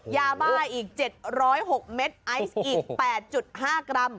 ยาบ้าอีก๗๐๖เม็ดไอซ์อีก๘๕กรัม